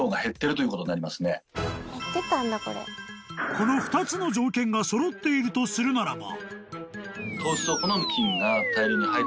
［この２つの条件が揃っているとするならば］